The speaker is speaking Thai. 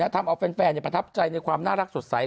ทำเอาแฟนประทับใจในความน่ารักสดใส